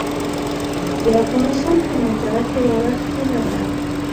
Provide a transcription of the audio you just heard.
د افغانستان په منظره کې واوره ښکاره ده.